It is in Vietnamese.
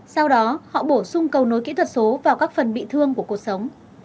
sau đó họ bổ sung cầu nối kỹ thuật số vào các phần bị thương của cuộc sống